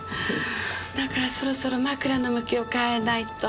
だからそろそろ枕の向きを変えないと。